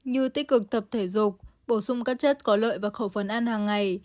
như tích cực tập thể dục bổ sung các chất có lợi và khẩu phần ăn hàng ngày